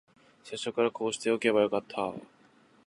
最初からこうしておけばよかった